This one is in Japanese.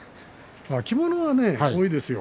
着物も多いですよ。